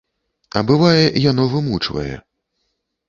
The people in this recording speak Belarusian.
А бывае, яно вымучвае.